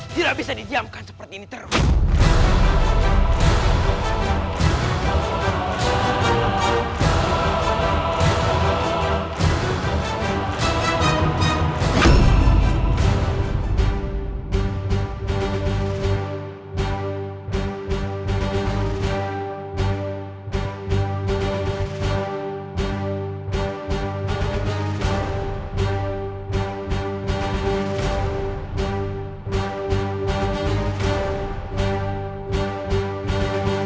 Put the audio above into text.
tidak bisa didiamkan seperti ini terus